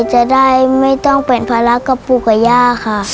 จะได้ไม่ต้องเป็นภาระกับปู่กับย่าค่ะ